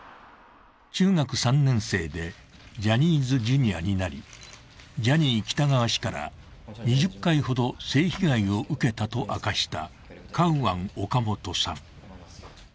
中学３年生でジャニーズＪｒ．になり、ジャニー喜多川氏から２０回ほど性被害を受けたと明かしたカウアン・オカモトさん。